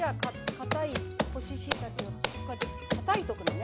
かたい干ししいたけをこうやってたたいとくのね。